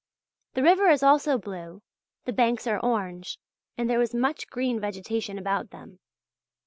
The river is also blue, the banks are orange, and there is much green vegetation about them.